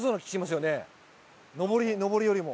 上りよりも。